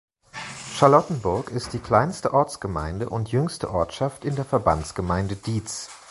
Charlottenberg ist die kleinste Ortsgemeinde und jüngste Ortschaft in der Verbandsgemeinde Diez.